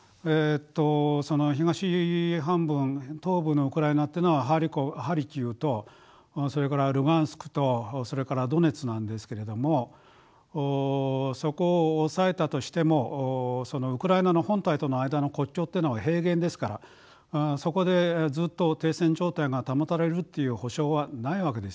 その東半分東部のウクライナっていうのはハルキウとそれからルガンスクとそれからドネツなんですけれどもそこを押さえたとしてもそのウクライナの本体との間の国境というのは平原ですからそこでずっと停戦状態が保たれるっていう保証はないわけですよね。